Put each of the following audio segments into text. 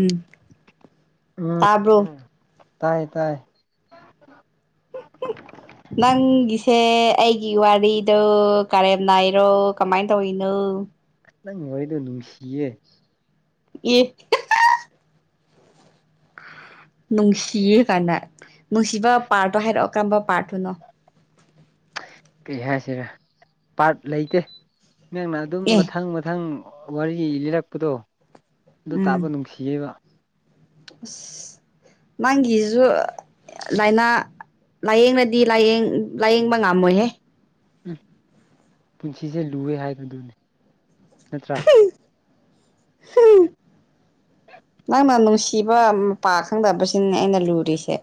ꯎꯝ ꯇꯕ꯭ꯔꯣ ꯇꯥꯏꯌꯦ ꯇꯥꯏꯌꯦ ꯑ ꯅꯪꯒꯤꯁꯦ ꯑꯩꯒꯤ ꯋꯥꯔꯤꯗꯣ ꯀꯔꯦꯝ ꯅꯥꯏꯔꯣ ꯀꯃꯥꯏꯅ ꯇꯧꯅꯣ ꯅꯪ ꯍꯣꯏꯗꯣ ꯅꯨꯡꯁꯤꯌꯦ ꯌꯦ ꯅꯨꯡꯁꯤ ꯀꯥꯟꯗ ꯅꯨꯡꯁꯤꯕ ꯄꯥꯔꯠꯇꯣ ꯍꯥꯏꯔꯛꯑꯣ ꯀꯔꯝꯕ ꯄꯥꯔꯠꯇꯨꯅꯣ ꯀꯩ ꯍꯥꯏꯁꯤꯔꯦ ꯄꯥꯔꯠ ꯂꯩꯇꯦ ꯅꯪꯅ ꯑꯗꯨꯝ ꯑꯦ ꯃꯊꯪ ꯃꯊꯪ ꯋꯥꯔꯤ ꯂꯤꯔꯛꯄꯗꯣ ꯑꯗꯨ ꯇꯥꯕ ꯎꯝ ꯅꯨꯡꯁꯤꯌꯦꯕ ꯑꯁ ꯅꯪꯒꯤꯁꯨ ꯂꯥꯏꯅꯥ ꯂꯥꯏꯌꯦꯡꯅꯗꯤ ꯂꯥꯏꯌꯦꯡ ꯂꯥꯏꯌꯦꯡꯕ ꯉꯝꯃꯣꯏꯍꯦ ꯎꯝ ꯄꯨꯟꯁꯤꯁꯦ ꯂꯨꯑꯦ ꯍꯥꯏꯕꯗꯨꯅꯤ ꯅꯠꯇ꯭ꯔꯥ [unintelligible] ꯅꯪꯅ ꯅꯨꯡꯁꯤꯕ ꯃ ꯄꯥ ꯈꯪꯗꯕꯁꯤꯅꯤ ꯑꯩꯅ ꯂꯨꯔꯤꯁꯦ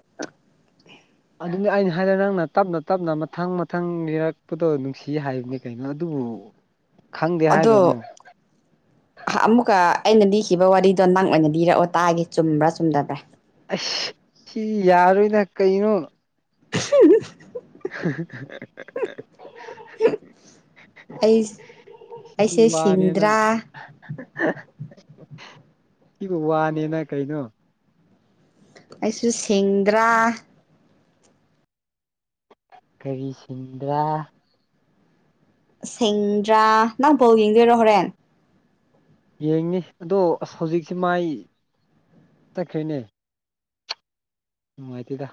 ꯑꯗꯨꯅꯤ ꯑꯩꯅ ꯍꯥꯏꯔ ꯅꯪꯅ ꯇꯞꯅ ꯇꯞꯅ ꯃꯊꯪ ꯃꯊꯪ ꯅꯤꯔꯛꯄꯗꯣ ꯅꯨꯡꯁꯤ ꯍꯥꯏꯕꯅꯤ ꯀꯩꯅꯒꯤꯩꯅꯣ ꯑꯗꯨꯕꯨ ꯈꯪꯗꯦ ꯑꯗꯣ ꯍꯥꯏꯔꯣ ꯑꯃꯨꯛ ꯑꯃꯨꯛꯀ ꯑꯩꯅ ꯂꯤꯈꯤꯕ ꯋꯥꯔꯤꯗꯣ ꯅꯪ ꯑꯣꯏꯅ ꯂꯤꯔꯛꯑꯣ ꯇꯥꯒꯦ ꯆꯨꯝꯕ꯭ꯔꯥ ꯆꯨꯝꯗꯕ꯭ꯔꯥ ꯑꯁ ꯁꯤ ꯌꯥꯔꯣꯏꯅ ꯀꯩꯅꯣꯅ [unintelligible] [unintelligible] ꯑꯩ ꯑꯩꯁꯦ ꯁꯤꯕꯨ ꯁꯤꯡꯗ꯭ꯔꯥ ꯋꯥꯅꯦꯅ [unintelligible] ꯁꯤꯕꯨ ꯋꯥꯅꯦꯅ ꯀꯩꯅꯣ ꯑꯩꯁꯨ ꯁꯦꯡꯗ꯭ꯔꯥ ꯀꯔꯤ ꯁꯤꯡꯗ꯭ꯔꯥ ꯁꯤꯡꯗ꯭ꯔꯥ ꯅꯪ ꯕꯣꯜ ꯌꯦꯡꯗꯣꯏꯔꯣ ꯍꯣꯔꯦꯟ ꯌꯦꯡꯉꯤ ꯑꯗꯣ ꯑꯁ ꯍꯧꯖꯤꯛꯁꯦ ꯃꯥꯏ ꯇꯠꯈ꯭ꯔꯦꯅꯦ ꯉꯥꯏꯤꯗ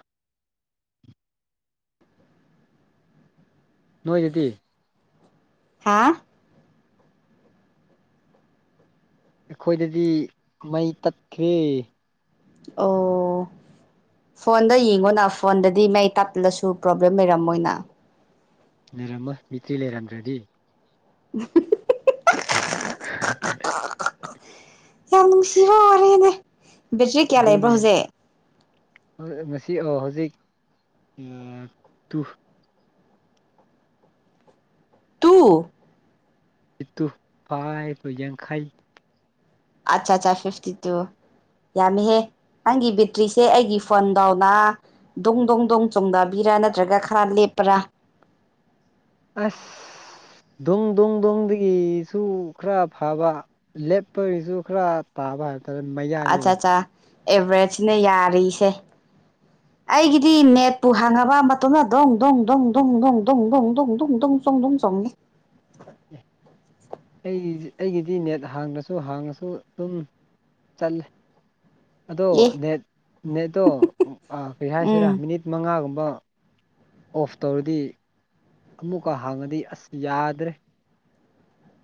ꯅꯣꯏ ꯑꯗꯨꯗꯤ ꯍꯥ ꯑꯩꯈꯣꯏꯗꯗꯤ ꯃꯩ ꯇꯠꯈ꯭ꯔꯦ ꯑꯣ ꯐꯣꯟꯗ ꯌꯦꯡꯉꯣꯅ ꯐꯣꯟꯗꯗꯤ ꯃꯌꯦꯛ ꯇꯞꯂꯁꯨ ꯄ꯭ꯔꯣꯕ꯭ꯂꯦꯝ ꯂꯩꯔꯝꯃꯣꯏꯅ ꯂꯩꯔꯝꯃꯣꯏ ꯕꯦꯇ꯭ꯔꯤ ꯂꯩꯔꯝꯗ꯭ꯔꯗꯤ [unintelligible] [unintelligible] [unintelligible] ꯌꯥꯝ ꯅꯨꯡꯁꯤꯕ ꯋꯥꯔꯤꯅꯦ ꯕꯦꯇ꯭ꯔꯤ ꯀꯌꯥ ꯂꯩꯕ꯭ꯔꯥ ꯍꯧꯖꯤꯛ ꯍꯣꯏ ꯉꯁꯤ ꯑꯣ ꯍꯧꯖꯤꯛ ꯑ two two [unintelligible] two five or ꯌꯥꯡꯈꯩ ꯑꯆꯥ ꯆꯥ ꯐꯤꯐꯇꯤ ꯇꯨ ꯌꯥꯝꯃꯤꯍꯦ ꯅꯪꯒꯤ ꯕꯦꯇ꯭ꯔꯤꯁꯦ ꯑꯩꯒꯤ ꯐꯣꯟꯗꯧꯅ ꯗꯣꯡ ꯗꯣꯡ ꯗꯣꯡ ꯆꯣꯡꯗꯥꯕꯤꯔꯥ ꯅꯠꯇ꯭ꯔꯒ ꯈꯔ ꯂꯦꯞꯄꯔꯥ ꯑꯁ ꯗꯣꯡ ꯗꯣꯡ ꯗꯣꯡꯗꯒꯤꯁꯨ ꯈꯔ ꯐꯕ ꯂꯦꯞꯄꯒꯤꯁꯨ ꯈꯔ ꯇꯥꯕ ꯍꯥꯏꯕ ꯑꯠꯆꯥ ꯑꯠꯆꯥ ꯑꯦꯚꯔꯦꯁꯅꯦ ꯌꯥꯔꯤꯁꯦ ꯑꯩꯒꯤꯗꯤ ꯅꯦꯠꯄꯨ ꯍꯥꯡꯉꯕ ꯃꯇꯣꯝꯇ ꯗꯣꯡ ꯗꯣꯡ ꯗꯣꯡ ꯗꯣꯡ ꯗꯣꯡ ꯗꯣꯡ ꯗꯣꯡ ꯗꯣꯡ ꯗꯣꯡ ꯗꯣꯡ ꯆꯣꯡꯉꯦ ꯑꯩ ꯑꯩꯒꯤꯗꯤ ꯅꯦꯠ ꯍꯥꯡꯉꯁꯨ ꯍꯥꯡꯉꯁꯨ ꯑꯗꯨꯝ ꯆꯠꯂꯦ ꯑꯗꯣ ꯑꯦ ꯅꯦꯠ ꯅꯦꯠꯇꯣ ꯑ ꯀꯩ ꯍꯥꯏꯁꯤꯔꯥ ꯎꯝ ꯃꯤꯅꯤꯠ ꯃꯉꯥꯒꯨꯝꯕ ꯑꯣꯐ ꯇꯧꯔꯗꯤ ꯑꯃꯨꯛꯀ ꯍꯥꯡꯉꯗꯤ ꯑꯁ ꯌꯥꯗ꯭ꯔꯦ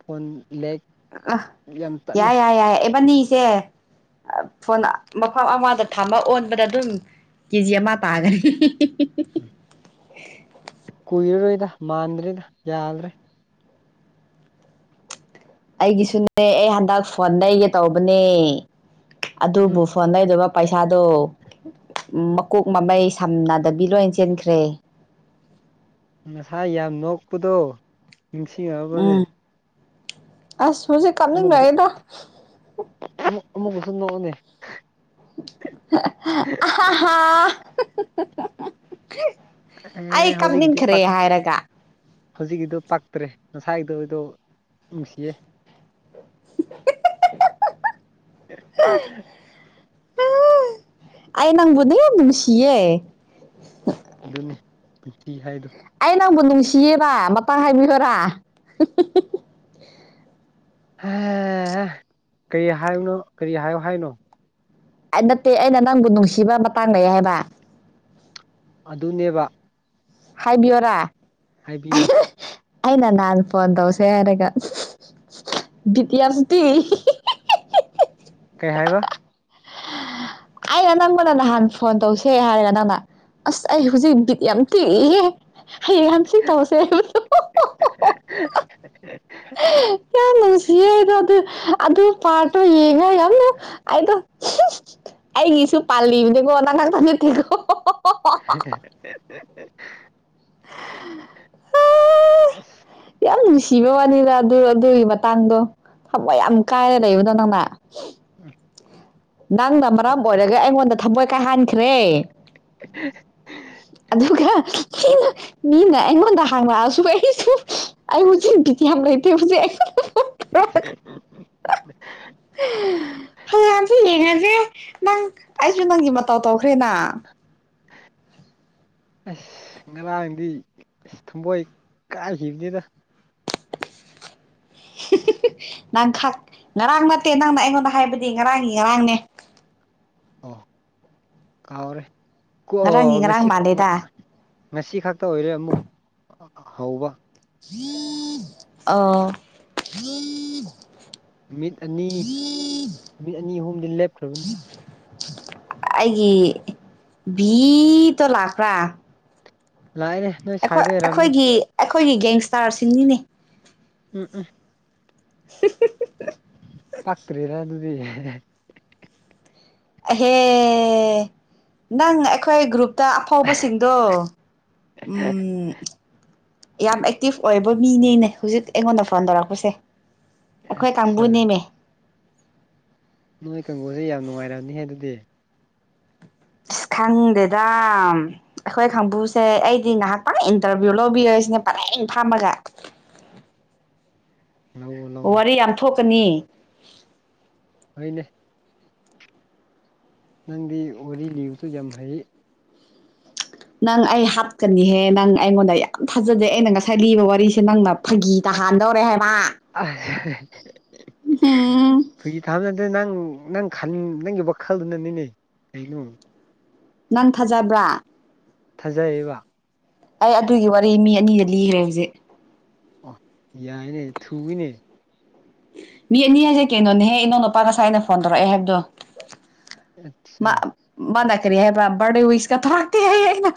ꯐꯣꯟ ꯂꯦꯛ ꯑ ꯌꯥꯝ ꯇꯠꯂꯦ ꯌꯥꯏ ꯌꯥꯏ ꯌꯥꯏꯏ ꯏꯕꯅꯤꯁꯦ ꯑ ꯐꯣꯟ ꯃꯐꯝ ꯑꯃꯗ ꯊꯝꯕ ꯑꯣꯟꯕꯗ ꯑꯗꯨꯝ ꯀꯦꯖꯤ ꯑꯃ ꯇꯥꯒꯅꯤ [unintelligible] ꯀꯨꯏꯔꯔꯣꯏꯗ ꯃꯥꯟꯗ꯭ꯔꯔꯧꯗ ꯌꯥꯗ꯭ꯔꯦ ꯑꯩꯒꯤꯁꯨꯅꯦ ꯑꯩ ꯍꯟꯗꯛ ꯐꯣꯟ ꯂꯩꯒꯦ ꯇꯧꯕꯅꯦ ꯎꯝ ꯑꯗꯨꯕꯨ ꯐꯣꯟ ꯂꯩꯗꯣꯕ ꯄꯩꯁꯥꯗꯣ ꯃꯀꯣꯛ ꯃꯃꯩ ꯁꯝꯅꯗꯕꯤ ꯂꯣꯏ ꯆꯦꯟꯈ꯭ꯔꯦ ꯉꯁꯥꯏ ꯌꯥꯝ ꯅꯣꯛꯄꯗꯣ ꯅꯤꯡꯁꯤꯡꯉꯕꯅꯦ ꯎꯝ ꯑꯁ ꯍꯧꯖꯤꯛ ꯑꯃꯨꯛꯀꯁꯨ ꯀꯞꯅꯤꯡꯉꯛꯑꯗ ꯑꯃꯨꯛꯀꯁꯨ ꯅꯣꯛꯑꯣꯅꯦ ꯑ [unintelligible] [unintelligible] ꯑꯩ ꯑꯦ ꯍꯧꯖꯤꯛꯀꯤꯗꯤ ꯀꯞꯅꯤꯡꯈ꯭ꯔꯦ ꯄꯛ ꯍꯥꯏꯔꯒ ꯍꯧꯖꯤꯛꯀꯤꯗꯣ ꯄꯛꯇ꯭ꯔꯦ ꯉꯁꯥꯏꯒꯤꯗꯣ ꯑꯣꯏꯗꯣ ꯅꯨꯡꯁꯤꯌꯦ [unintelligible] [unintelligible] ꯑꯩ ꯅꯪꯕꯨꯗꯤ ꯌꯥꯝ ꯅꯨꯡꯁꯤꯌꯦ ꯑꯗꯨꯅꯦ ꯄꯨꯟꯁꯤ ꯍꯥꯏꯗꯣ ꯑꯩ ꯅꯪꯕꯨ ꯅꯨꯡꯁꯤꯌꯦꯕ ꯃꯇꯥꯡ ꯍꯥꯏꯕꯤꯌꯨꯔꯥ [unintelligible] ꯍ ꯀꯔꯤ ꯍꯥꯏꯕꯅꯣ ꯀꯔꯤ ꯍꯥꯏꯌꯣ ꯍꯥꯏꯅꯣ ꯑꯩ ꯅꯠꯇꯦ ꯑꯩꯅ ꯅꯪꯕꯨ ꯅꯨꯡꯁꯤꯕ ꯃꯇꯥꯡ ꯂꯩꯌꯦ ꯍꯥꯏꯕ ꯑꯗꯨꯅꯦꯕ ꯍꯥꯏꯕꯤꯌꯣꯔꯥ ꯍꯥꯏꯕꯤꯌꯣ ꯑꯩꯅ ꯅꯍꯥꯟ ꯐꯣꯟ ꯇꯧꯁꯦ ꯍꯥꯏꯔꯒ ꯕꯤꯠ ꯌꯥꯎꯖꯥꯗꯦꯌꯦ ꯀꯩ ꯍꯥꯏꯕ ꯑꯩꯅ ꯅꯪꯕꯅ ꯅꯍꯥꯟ ꯐꯣꯟ ꯇꯧꯁꯦ ꯍꯥꯏꯔꯒ ꯅꯪꯅ ꯑꯁ ꯑꯩ ꯍꯧꯖꯤꯛ ꯕꯤꯠ ꯌꯥꯝ ꯇꯦꯛꯏꯌꯦ ꯍꯌꯦꯡ ꯍꯪꯆꯤꯠ ꯇꯧꯁꯦ ꯍꯥꯏꯕꯗꯣ ꯌꯥꯝ ꯅꯨꯡꯁꯤꯌꯦ ꯑꯩꯗꯣ ꯑꯗꯨ ꯑꯗꯨ ꯄꯥꯠꯇꯣ ꯌꯦꯡꯉ ꯌꯥꯝꯅ ꯑꯃꯨꯛ ꯑꯩꯗꯣ ꯑꯩꯒꯤꯁꯨ ꯄꯥꯂꯤꯕꯅꯦꯀꯣ ꯅꯪ ꯉꯛꯇ ꯅꯠꯇꯦꯀꯣ ꯑ [unintelligible] [unintelligible] ꯌꯥꯝ ꯅꯨꯡꯁꯤꯕ ꯋꯥꯅꯤꯗ ꯑꯗꯨ ꯑꯗꯨꯒꯤ ꯃꯇꯥꯡꯗꯣ ꯊꯃꯣꯏ ꯌꯥꯝ ꯀꯥꯏꯔ ꯂꯩꯕꯗꯣ ꯅꯪꯅ [unintelligible] ꯅꯪꯅ ꯃꯔꯝ ꯑꯣꯏꯔꯒ ꯑꯩꯉꯣꯟꯗ ꯊꯃꯣꯏ ꯀꯥꯏꯍꯟꯈ꯭ꯔꯦ [unintelligible] ꯑꯗꯨꯒ ꯃꯤꯅ ꯃꯤꯅ ꯑꯩꯉꯣꯟꯗ ꯍꯥꯡꯉꯛꯑꯁꯨ ꯑꯩꯁꯨ ꯑꯩ [unintelligible] ꯌꯥꯝ ꯂꯩꯇꯦ ꯍꯧꯖꯤꯛ ꯑꯩ [unintelligible] ꯍꯥꯟꯗꯤ ꯌꯦꯡꯉꯁꯦ ꯅꯪ ꯑꯩꯁꯨ ꯅꯪꯒꯤ ꯃꯇꯧ ꯇꯧꯈ꯭ꯔꯦꯅ [unintelligible] ꯑꯁ ꯉꯔꯥꯡꯗꯤ ꯑꯁ ꯊꯨꯝꯃꯣꯏ ꯀꯥꯏꯈꯤꯕꯅꯤꯗ ꯉꯔꯥꯡ ꯅꯠꯇꯦ ꯅꯪꯅ ꯑꯩꯉꯣꯟꯗ ꯍꯥꯏꯕꯗꯤ ꯉꯔꯥꯡꯒꯤ ꯉꯔꯥꯡꯅꯦ ꯑꯣ ꯀꯥꯎꯔꯦ ꯀꯣ ꯉꯔꯥꯡꯒꯤ ꯉꯔꯥꯡ ꯉꯁꯤ ꯃꯥꯜꯂꯦꯗ ꯉꯁꯤ ꯈꯛꯇ ꯑꯣꯏꯔꯦ ꯑꯃꯨꯛ ꯍꯧꯕ ꯑꯥ ꯅꯨꯃꯤꯠ ꯑꯅꯤ ꯅꯨꯃꯤꯠ ꯑꯅꯤ ꯑꯍꯨꯝꯗꯤ ꯂꯦꯞꯈ꯭ꯔꯕꯅꯤ ꯑꯩꯒꯤ ꯚꯤꯇꯣ ꯂꯥꯛꯄ꯭ꯔꯥ ꯂꯥꯛꯑꯦꯅꯦ ꯅꯣꯏ ꯑꯩꯈꯣꯏ ꯁ꯭ꯋꯥꯏꯗ ꯑꯣꯏꯔꯝꯅꯦ ꯑꯩꯈꯣꯏꯒꯤ ꯑꯩꯈꯣꯏꯒꯤ ꯒꯦꯡꯁꯇꯥꯔꯁꯤꯡꯅꯤꯅꯦ ꯎꯝ ꯎꯝ [unintelligible] ꯄꯛꯇꯔ꯭ꯦꯗ ꯑꯗꯨꯗꯤ ꯑꯍꯦ ꯅꯪ ꯑꯩꯈꯣꯏ ꯒ꯭ꯔꯨꯞ ꯇ ꯑꯐꯥꯎꯕꯁꯤꯡꯗꯣ ꯎꯝ ꯌꯥꯝ ꯑꯦꯛꯇꯤꯚ ꯑꯣꯏꯕ ꯃꯤꯅꯦꯅꯦ ꯍꯧꯖꯤꯛ ꯑꯩꯉꯣꯟꯗ ꯐꯣꯟ ꯇꯧꯔꯛꯄꯁꯦ ꯑꯩꯈꯣꯏ ꯀꯥꯡꯕꯨ ꯑꯠꯆꯥ ꯅꯦꯃꯦ ꯅꯣꯏ ꯀꯥꯡꯕꯨꯁꯦ ꯌꯥꯝ ꯅꯨꯡꯉꯥꯏꯔꯝꯅꯤ ꯍꯦ ꯑꯗꯨꯗꯤ ꯈꯪꯗꯦꯗ ꯑꯩꯈꯣꯏ ꯀꯥꯡꯕꯨꯁꯦ ꯑꯩꯗꯤ ꯉꯥꯏꯍꯥꯛꯪ ꯏꯟꯇꯔꯚꯤꯌꯨ ꯂꯧꯕꯤꯔꯁꯤꯅꯦ ꯄꯔꯦꯡ ꯐꯝꯃꯒ ꯂꯧꯋꯣ ꯂꯧꯋꯣ ꯋꯥꯔꯤ ꯌꯥꯝ ꯊꯣꯛꯀꯅꯤ ꯍꯣꯏꯅꯦ ꯅꯪꯗꯤ ꯋꯥꯔꯤ ꯂꯤꯕꯁꯨ ꯌꯥꯝ ꯍꯩ ꯅꯪ ꯑꯩ ꯍꯥꯠꯀꯅꯤꯍꯦ ꯅꯪ ꯑꯩꯉꯣꯟꯗ ꯌꯥꯝ ꯊꯥꯖꯗꯦ ꯑꯩꯅ ꯉꯁꯥꯏ ꯂꯤꯕ ꯋꯥꯔꯤꯁꯦ ꯅꯪꯅ ꯐꯥꯒꯤ ꯇꯥꯍꯟꯗꯧꯔꯦ ꯍꯥꯏ ꯎꯝ ꯐꯥꯒꯤ ꯇꯥꯍꯟꯕ ꯅꯠꯇ꯭ꯔꯦ ꯅꯪ ꯅꯪ ꯅꯪꯒꯤ ꯋꯥꯈꯜꯗꯨꯅꯅꯤꯅꯦ ꯀꯩꯅꯣ ꯅꯪ ꯊꯥꯖꯕ꯭ꯔꯥ ꯊꯥꯖꯩꯌꯦꯕ ꯑꯩ ꯑꯗꯨꯒꯤ ꯋꯥꯔꯤ ꯃꯤ ꯑꯅꯤꯗ ꯂꯤꯈ꯭ꯔꯦ ꯍꯧꯖꯤꯛ ꯑꯣ ꯌꯥꯏꯅꯦ ꯊꯨꯏꯅꯦ ꯃꯤ ꯑꯅꯤ ꯍꯥꯏꯁꯦ ꯀꯩꯅꯣꯅꯦꯍꯦ ꯏꯅꯥꯎ ꯅꯨꯄꯥ ꯉꯁꯥꯏ ꯑꯩꯅ ꯐꯣꯟ ꯇꯧꯔꯛꯑꯦ ꯍꯥꯏꯕꯗꯣ ꯃꯥ ꯑꯁꯁꯥ ꯃꯥꯅ ꯀꯔꯤ ꯍꯥꯏꯕ ꯕꯥꯔꯠꯗꯦ ꯋꯤꯁꯀ ꯇꯧꯔꯛꯇꯦ ꯍꯥꯏ ꯑꯩꯅ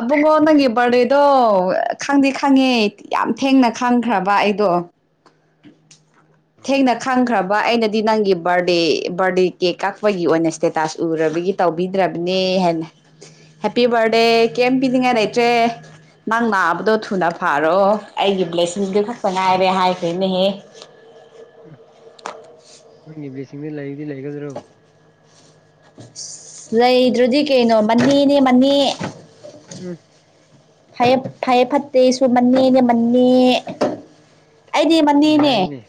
ꯑꯕꯨꯡꯉꯣ ꯅꯪꯒꯤ ꯕꯥꯔꯠꯗꯦ ꯑꯗꯣ ꯈꯪꯗꯤ ꯈꯪꯉꯦ ꯌꯥꯝ ꯊꯦꯡꯅ ꯈꯪꯈ꯭ꯔꯕ ꯑꯩꯗꯣ ꯊꯦꯡꯅ ꯈꯪꯈ꯭ꯔꯕ ꯑꯩꯅꯗꯤ ꯅꯪꯒꯤ ꯕꯥꯔꯗꯦ ꯕꯥꯔꯗꯦ ꯀꯦꯛ ꯀꯛꯄꯒꯤ ꯑꯣꯏꯅ ꯏꯁꯇꯦꯇꯥꯁ ꯎꯔꯕꯒꯤ ꯇꯧꯕꯤꯗ꯭ꯔꯕꯅꯦ ꯍꯥꯏꯅ ꯍꯦꯞꯄꯤ ꯔꯦ ꯀꯦꯦꯝ ꯄꯤꯗꯤꯉꯅꯏꯇ꯭ꯔꯦ ꯅꯪ ꯅꯥꯕꯗꯣ ꯊꯨꯅ ꯐꯥꯔꯣ ꯑꯩꯒꯤ ꯕ꯭ꯂꯦꯁꯤꯡꯗꯨ ꯈꯛꯇ ꯉꯥꯏꯔꯦ ꯍꯥꯏꯈ꯭ꯔꯦꯅꯦꯍꯦ ꯎ ꯅꯣꯏꯒꯤ ꯦꯁꯤꯡꯗ ꯂꯩꯕꯗꯤ ꯂꯩꯒꯗ꯭ꯔꯣ ꯂꯩꯗ꯭ꯔꯗꯤ ꯀꯩꯅꯣ ꯃꯅꯦꯅꯦ ꯃꯅꯦ ꯎꯝ ꯐꯩꯌꯦ ꯐꯩꯌꯦ ꯐꯠꯇꯦꯁꯨ ꯃꯅꯦꯅꯦ ꯃꯅꯦ ꯑꯩꯗꯤ ꯃꯅꯦꯅꯦ ꯌꯥꯏꯅꯦ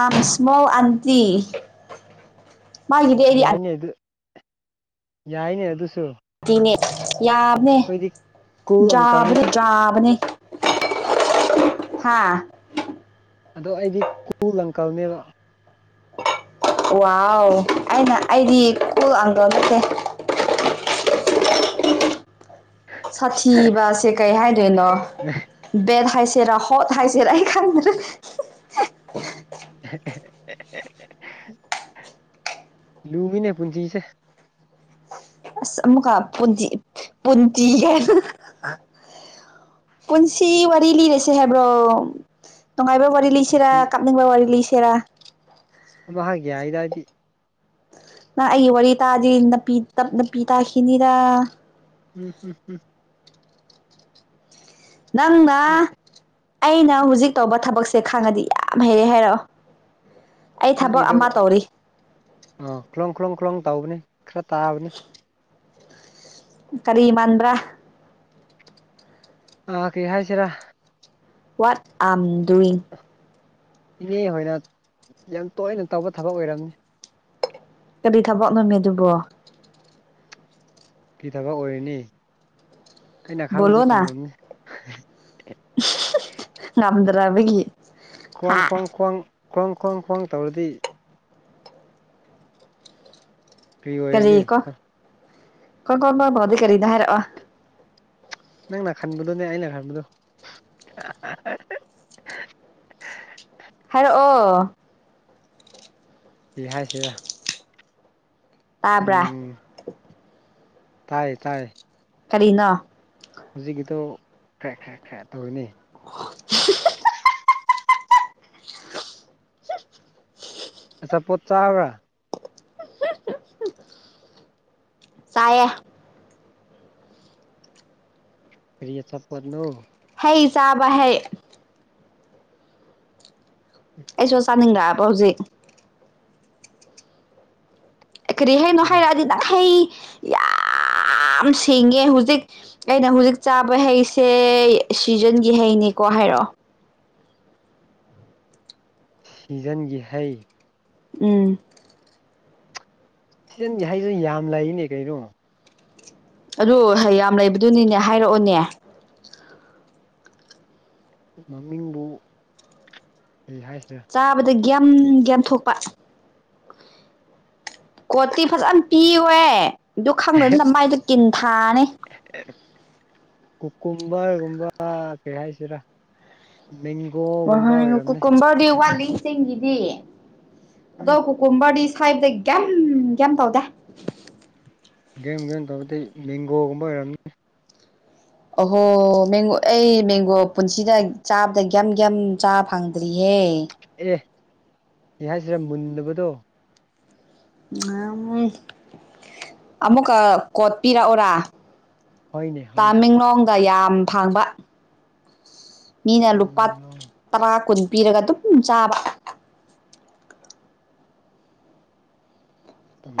ꯑꯥꯢ ꯑꯦꯝ ꯁꯃꯣꯜ ꯑꯟꯇꯤ ꯃꯥꯒꯤꯗꯤ ꯑꯩꯗꯤ ꯌꯥꯏꯅꯦ ꯑꯗꯨ ꯌꯥꯏꯅꯦ ꯑꯗꯨꯁꯨ ꯑꯟꯇꯤꯅꯦ ꯌꯥꯕꯅꯦ ꯑꯩꯈꯣꯏꯗꯤ ꯀꯨꯜ ꯑꯪꯀꯜꯅꯤ ꯌꯥꯥꯕꯅꯦ ꯌꯥꯥꯕꯅꯦ ꯍꯥꯥ ꯑꯗꯣ ꯑꯩꯗꯤ ꯀꯨ ꯂꯪꯀꯜꯅꯦꯕ ꯋꯥꯎ ꯑꯩꯅ ꯑꯩꯗꯤ ꯀꯜ ꯑꯥꯡꯗꯣ ꯆꯠꯠꯇꯦ [inaudible] ꯁꯥꯊꯤꯕꯁꯦ ꯀꯩ ꯍꯥꯏꯗꯣꯏꯅꯣ ꯕꯦꯠ ꯍꯥꯏꯁꯦ ꯔ ꯍꯣꯠ ꯍꯥꯏꯁꯦꯅ ꯑꯩ ꯈꯪꯗꯗ ꯂꯨꯕꯤꯅꯦ ꯄꯨꯟꯁꯤꯁꯦ ꯑꯥ ꯄꯨꯖꯤ ꯄꯨꯖꯤ ꯄꯨꯟꯁꯤ ꯋꯥꯔꯤ ꯂꯤꯔꯁꯦ ꯍꯥꯏꯕ꯭ꯔꯣ ꯅꯨꯡꯉꯥꯏꯕ ꯋꯥꯔꯤ ꯂꯩꯁꯤꯦꯔꯥ ꯄꯨꯟꯁꯤ ꯀꯥꯞꯅꯤꯡꯕ ꯋꯥꯔꯤ ꯂꯩꯁꯤꯦꯔꯥ ꯍꯥꯏꯦ ꯍꯥꯏꯗ ꯍꯥꯏꯗꯤ ꯅꯍ ꯑꯩ ꯋꯥꯔꯤ ꯇꯥꯗꯔꯤꯄꯤꯞ ꯅꯥꯄꯤ ꯇꯥꯈꯤꯅꯤꯔ ꯎꯝ ꯍꯝ ꯎꯝ ꯅꯪꯅ ꯅꯪ ꯑꯩꯅ ꯍꯧꯖꯤꯛ ꯇꯧꯕ ꯊꯕꯛꯁꯦ ꯈꯥꯡꯉꯗꯤ ꯌꯥꯝ ꯍꯩꯔꯦ ꯍꯥꯏꯔꯛꯑꯣ ꯑꯩ ꯊꯕꯛ ꯅꯪꯒꯤꯗ ꯑꯃ ꯇꯧꯔꯤ ꯑ ꯈꯨꯂꯣꯡ ꯈꯨꯂꯣꯡ ꯈꯨꯂꯣꯡ ꯇꯧꯕꯅꯦ ꯈꯔ ꯇꯥꯕꯅꯤ [inaudible] ꯀꯔꯤꯃꯟ꯭ꯔꯥ ꯑꯥ ꯀꯦ ꯍꯥꯏꯁꯤꯔꯥ ꯋꯥꯠ ꯑꯥꯝ ꯗꯨꯋꯤꯡ ꯏꯅꯦ ꯍꯣꯏꯅ ꯌꯥꯝ ꯇꯣꯏꯅ ꯇꯧꯕ ꯊꯕꯛ ꯑꯣꯏꯔꯝꯅꯤ ꯀꯔꯤ ꯊꯕꯛ ꯉꯝꯃꯦ ꯑꯗꯨꯕꯣ ꯐꯤ ꯊꯕꯛ ꯑꯣꯏꯔꯅꯤ ꯑꯩꯅ ꯑꯈꯥꯡꯕꯗꯣ ꯕꯣꯂꯣꯅ ꯆꯨꯝꯂꯝꯅꯤ ꯉꯝꯗ꯭ꯔꯕꯒꯤ ꯈ꯭ꯋꯥꯡ ꯍꯥ ꯈ꯭ꯋꯥꯡ ꯈ꯭ꯋꯥꯡ ꯈ꯭ꯋꯥꯡ ꯈ꯭ꯋꯥꯡ ꯈ꯭ꯋꯥꯡ ꯇꯧꯔꯗꯤ ꯀꯔꯤ ꯀꯣ ꯀ ꯀꯣꯕꯗꯤ ꯀꯔꯤꯗ ꯍꯥꯏꯔꯛꯑꯣ ꯅꯪꯅ ꯈꯟꯕꯗꯨꯣꯅꯦ ꯑꯩꯅ ꯈꯟꯕꯗꯣ ꯍꯥꯏꯔꯛꯑꯣ ꯁꯤ ꯍꯥꯏꯁꯤꯔꯥ ꯇꯥꯕ꯭ꯔꯥ ꯇꯥꯏꯌꯦ ꯇꯥꯏꯌꯦ ꯀꯅꯥ ꯍꯧꯖꯤꯛꯀꯤꯗꯣ ꯈꯔꯦ ꯈꯔꯦ ꯈꯔꯦ ꯇꯧꯔꯤꯅꯦ [inaudible] ꯑꯆꯥ ꯄꯣꯠ ꯆꯥꯕ꯭ꯔꯥ ꯆꯌꯦ ꯀꯔꯤ ꯑꯆꯥꯄꯣꯠꯅꯣ ꯍꯩ ꯆꯥꯕ ꯍꯩ ꯑꯩꯁꯨ ꯆꯥꯅꯤꯡꯗꯛꯑꯕ ꯍꯧꯖꯤꯛ ꯀꯔꯤ ꯍꯥꯏꯅꯣ ꯍꯥꯏꯔꯛꯑꯗꯤ ꯍꯩ ꯌꯥꯝ ꯁꯦꯡꯉꯦ ꯍꯧꯖꯤꯛ ꯑꯩꯅ ꯍꯧꯖꯤꯛ ꯆꯥꯕ ꯍꯩꯁꯦ ꯁꯤꯖꯟꯒꯤ ꯍꯩꯅꯦꯀꯣ ꯍꯥꯏꯔꯛꯑꯣ ꯁꯤꯖꯟꯒꯤ ꯍꯩ ꯎꯝ ꯁꯤꯖꯤꯟꯒꯦ ꯍꯥꯏꯗꯨ ꯌꯥꯝ ꯂꯩꯔꯤꯅꯦ ꯀꯩꯅꯣ ꯑꯗꯨ ꯌꯥꯝ ꯂꯩꯕꯗꯨꯅꯤꯅꯦ ꯍꯥꯏꯔꯛꯑꯣꯅꯦ ꯃꯃꯤꯡꯕꯨ ꯍꯥꯏꯁꯔꯦ ꯇꯥꯕꯗ ꯒ꯭ꯟ ꯒ꯭ꯟꯊꯣꯛꯄ ꯀꯣꯠꯇꯤ ꯐꯖꯅ ꯄꯤꯌꯦ ꯑꯗꯨ ꯈꯪꯗꯅꯤꯅ ꯃꯥꯏꯗꯣ ꯇꯤꯟ ꯊꯥꯅꯤ ꯀꯨꯀꯨꯝꯕꯒꯨꯝꯕ ꯀꯩ ꯍꯥꯏꯁꯤꯔꯥ ꯋꯥ ꯃꯦꯡꯒꯣꯒꯨꯝꯕ ꯀ ꯑꯣꯏꯔꯝꯅꯤ ꯀꯨꯝꯕꯗꯤ ꯋꯥꯜꯂꯤ ꯆꯤꯡꯒꯤꯗꯤ ꯑꯗꯣ ꯎꯝ ꯀꯨꯀꯣꯕꯔꯗꯤ ꯁ꯭ꯋꯥꯏꯕꯗ ꯀꯦꯝ ꯌꯥꯝ ꯇꯧꯗꯦ ꯒꯦꯝ ꯒꯦꯝ ꯇꯧꯕꯗꯤ ꯃꯦꯡꯒꯣꯒꯨꯝꯕ ꯑꯣꯏꯔꯝꯅꯤ ꯑꯍꯣ ꯃꯦꯡꯒꯣ ꯑꯩ ꯃꯦꯡꯒꯣ ꯄꯨꯟꯁꯤꯗ ꯆꯥꯕꯗ ꯀꯒ꯭ꯌꯥꯝ ꯀꯒ꯭ ꯆꯥ ꯐꯪꯗ꯭ꯔꯤꯍꯦ ꯑꯦ ꯁꯤ ꯍꯥꯏꯁꯤꯔꯥ ꯃꯨꯟꯅꯕꯗꯣ ꯑꯃꯨꯛꯀ ꯀꯣꯠ ꯄꯤꯔꯛꯎꯔꯥ ꯍꯣꯏꯅꯦ ꯍꯣꯏꯅꯦ ꯇꯥꯃꯦꯡꯂꯣꯡꯒ ꯌꯥꯝ ꯐꯥꯡꯕ ꯃꯤꯅ ꯂꯨꯄꯥ ꯇꯃꯦꯡꯂꯣꯡ ꯇꯔꯥ ꯀꯨꯟ ꯄꯤꯔꯒ ꯑꯗꯨꯝ ꯆꯥꯕ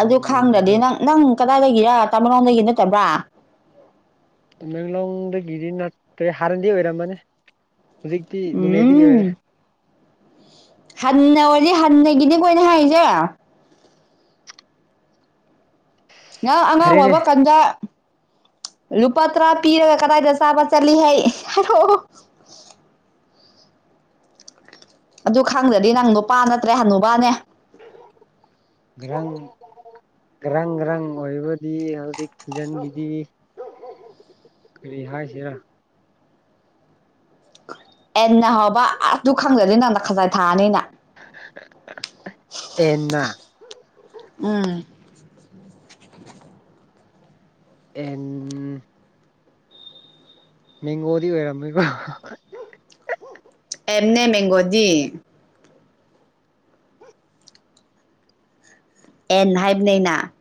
ꯑꯗꯨ ꯈꯪꯗ꯭ꯔꯗꯤ ꯅꯪ ꯅꯪ ꯀꯗꯥꯏꯗꯒꯤꯔ ꯇꯥꯃꯡꯂꯝꯗꯒꯤ ꯅꯠꯇꯕ꯭ꯔꯥ ꯃꯦꯡꯂꯣꯡꯗꯒꯤꯗꯤ ꯅꯠꯇ꯭ꯔꯦ ꯍꯥꯟꯅꯗꯤ ꯑꯣꯏꯔꯝꯃꯅꯤ ꯍꯧꯖꯤꯛꯇꯤ ꯅꯣꯅꯦꯗꯒꯤ ꯑꯣꯏꯔꯦ ꯎꯝ ꯍꯟꯅ ꯑꯣꯏꯗꯤ ꯍꯟꯅꯒꯤꯅꯦ ꯑꯩꯈꯣꯏꯅ ꯍꯥꯏꯁꯦ ꯉꯪ ꯐꯔꯦꯅꯦ ꯑꯉꯥꯡꯕ ꯀꯟꯗ ꯂꯨꯄꯥ ꯇꯔꯥ ꯄꯤꯔꯒ ꯀꯗꯥꯏꯗ ꯆꯥꯕ ꯆꯠꯂꯤ ꯍꯥꯏ ꯑꯗꯨ ꯈꯪꯗ꯭ꯔꯗꯤ ꯅꯪ ꯂꯣꯄꯥ ꯅꯠꯇ꯭ꯔꯦ ꯍꯅꯨꯕꯥꯅꯦ ꯔꯪ ꯔꯪ ꯔꯪ ꯑꯣꯏꯕꯗꯤ ꯍꯧꯖꯤꯛ ꯊꯤꯟꯖꯤꯟꯒꯤꯗꯤ ꯀꯔꯤ ꯍꯥꯏꯁꯤꯔ ꯑꯦꯟꯅ ꯍꯕ ꯑꯁ ꯑꯗꯨ ꯈꯪꯖꯗꯦ ꯅꯪꯅ ꯈꯖꯥꯏ ꯊꯥꯑꯅꯤꯅ ꯑꯦꯅꯥ ꯎꯝ ꯑꯦꯟ ꯃꯦꯡꯒꯣꯗꯤ ꯑꯣꯏꯔꯝꯃꯦꯀꯣ ꯑꯦꯝꯅꯦ ꯃꯒꯣꯗꯤ ꯑꯦꯟ ꯍꯥꯏꯕꯅꯦꯅꯥ